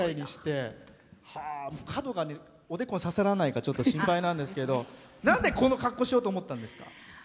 角がおでこに刺さらないかちょっと心配なんですけどなんでこの格好しようと思ったんですか？